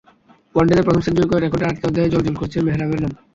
ওয়ানডেতে প্রথম সেঞ্চুরি করে রেকর্ডের আরেকটি অধ্যায়ে জ্বল জ্বল করছে মেহরাবের নাম।